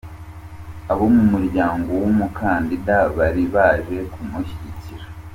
Abo mu muryango w’umukandida bari baje kumushyigikira.